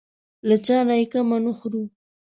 له چا نه یې کمه نه خورو.